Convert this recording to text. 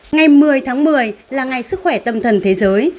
ngày một mươi tháng một mươi là ngày sức khỏe tâm thần thế giới